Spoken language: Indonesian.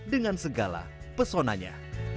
hingga ragam budaya